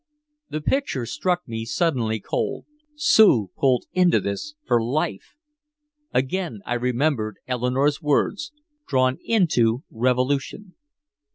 The picture struck me suddenly cold. Sue pulled into this for life! Again I remembered Eleanore's words "Drawn into revolution."